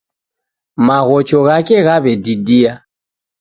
Maghocho ghake ghaw'edidia